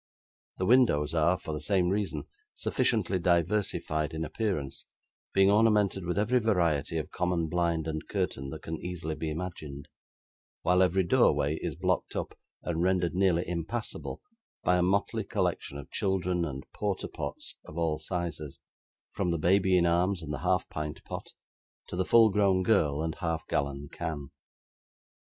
The windows are, for the same reason, sufficiently diversified in appearance, being ornamented with every variety of common blind and curtain that can easily be imagined; while every doorway is blocked up, and rendered nearly impassable, by a motley collection of children and porter pots of all sizes, from the baby in arms and the half pint pot, to the full grown girl and half gallon can.